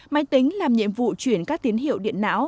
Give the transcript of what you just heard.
máy tính làm nhiệm vụ chuyển các tín hiệu điện não